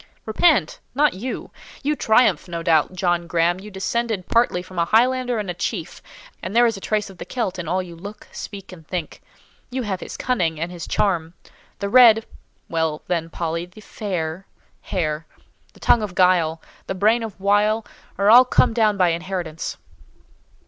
"Repent! Not you! You triumph, no doubt: John Graham, you descended partly from a Highlander and a chief, and there is a trace of the Celt in all you look, speak, and think. You have his cunning and his charm. The red—(Well then, Polly, the fair) hair, the tongue of guile, and brain of wile, are all come down by inheritance."